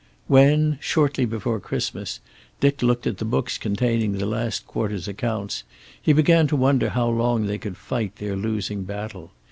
When, shortly before Christmas, Dick looked at the books containing the last quarter's accounts, he began to wonder how long they could fight their losing battle.